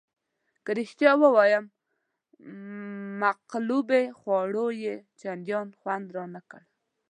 که رښتیا ووایم مقلوبې خوړو یې چندانې خوند رانه کړ.